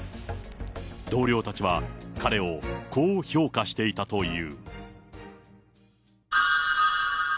同僚たちは彼をこう評価していたという。